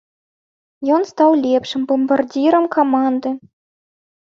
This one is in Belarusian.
Ён стаў лепшым бамбардзірам каманды.